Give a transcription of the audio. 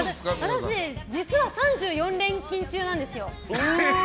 私、実は３４連勤中なんですよ。